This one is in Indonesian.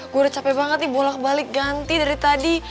gue udah capek banget nih bolak balik ganti dari tadi